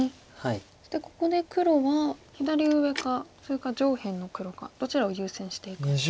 そしてここで黒は左上かそれか上辺の黒かどちらを優先していくんでしょう。